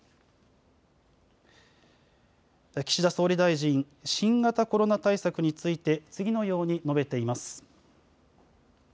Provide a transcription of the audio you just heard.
岸田総理大臣、新型コロナ対策について次のように述べています。